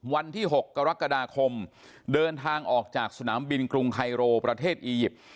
วันที่๖กรกฎาคมเดินทางออกจากสนามบินกรุงไคโรประเทศอียิปต์